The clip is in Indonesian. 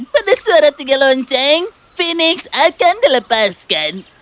pada suara tiga lonceng phoenix akan dilepaskan